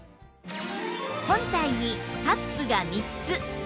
本体にカップが３つ